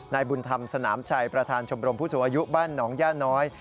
บุญธรรมสนามชัยประธานชมรมผู้สูงอายุบ้านหนองย่าน้อย